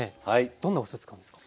どんなお酢使うんですか？